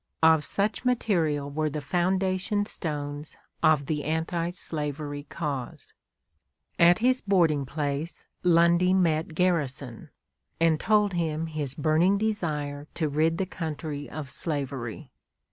Of such material were the foundation stones of the anti slavery cause. At his boarding place Lundy met Garrison, and told him his burning desire to rid the country of slavery.